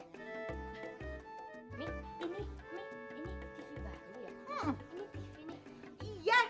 ini tv baru ya